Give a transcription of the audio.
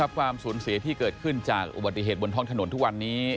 ความสูญเสียที่เกิดขึ้นจากอุบัติเหตุบนท้องถนนทุกวันนี้